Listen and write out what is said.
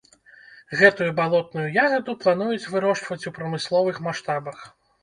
Гэтую балотную ягаду плануюць вырошчваць у прамысловых маштабах.